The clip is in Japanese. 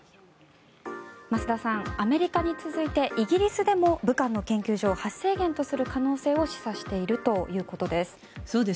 増田さん、アメリカに続いてイギリスでも武漢の研究所を発生源とする可能性を示唆しているということです。